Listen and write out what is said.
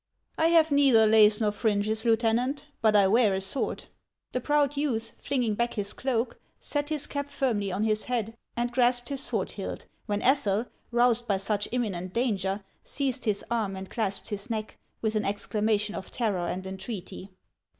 " I have neither lace nor fringes, Lieutenant ; but I wear a sword." The proud youth, Hinging back his cloak, set his cap firmly on his head and grasped his sword hilt, when Ethel, roused by such imminent danger, seized his arm and clasped his neck, with an exclamation of terror and entreaty.